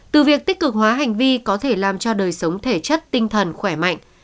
từ việc tích cực hóa hành vi có thể làm cho đời sống thể chất tinh thần khỏe mạnh